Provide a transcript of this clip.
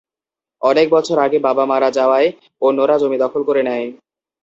অনেক বছর আগে বাবা মারা যাওয়ায় অন্যরা জমি দখল করে নেয়।